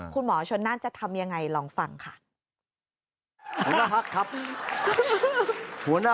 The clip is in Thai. คุณหมอชนนั่นจะทำยังไงลองฟังค่ะ